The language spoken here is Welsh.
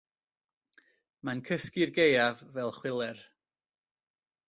Mae'n cysgu'r gaeaf fel chwiler.